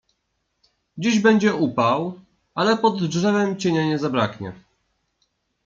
Dziś będzie upał, ale pod drzewem cienia nie zbraknie.